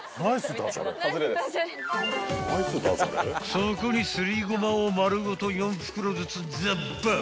［そこにすりごまを丸ごと４袋ずつザッバー］